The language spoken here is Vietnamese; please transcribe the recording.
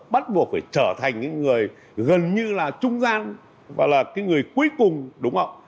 bắt buộc phải trở thành những người gần như là trung gian và là cái người cuối cùng đúng không